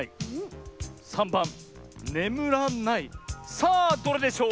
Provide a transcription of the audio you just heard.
さあどれでしょう？